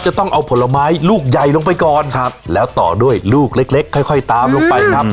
จะต้องเอาผลไม้ลูกใหญ่ลงไปก่อนครับแล้วต่อด้วยลูกเล็กเล็กค่อยค่อยตามลงไปครับ